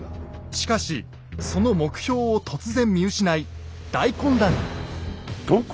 しかしその目標を突然見失い大混乱に。